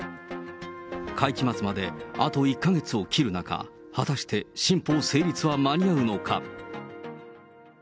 会期末まであと１か月を切る中、果たして新法成立は間に合うのか。